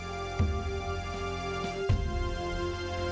tuh ayuna aja mengakuinya